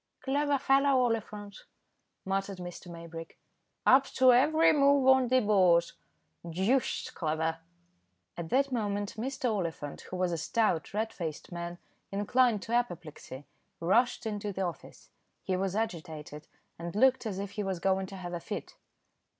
"Clever fellow, Oliphant," muttered Mr. Maybrick; "up to every move on the board. Deuced clever!" At that moment Mr. Oliphant, who was a stout, red faced man, inclined to apoplexy, rushed into the office. He was agitated, and looked as if he was going to have a fit.